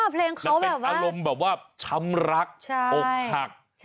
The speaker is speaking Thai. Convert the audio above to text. มันเป็นอารมณ์แบบว่าช้ำรักอกหัก